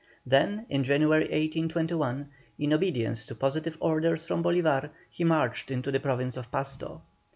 Then in January, 1821, in obedience to positive orders from Bolívar, he marched into the Province of Pasto.